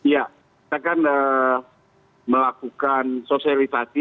ya kita kan melakukan sosialisasi